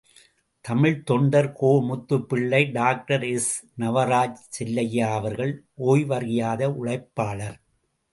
தமிழ்த் தொண்டர் கோ.முத்துப்பிள்ளை டாக்டர் எஸ்.நவராஜ் செல்லையா அவர்கள் ஓய்வறியாத உழைப்பாளர்.